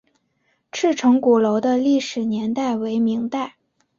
赤城鼓楼的历史年代为明代。